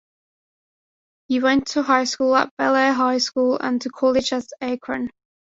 He went to high school at Bellaire High School and to college at Akron.